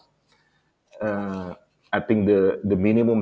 saya pikir tarif minimum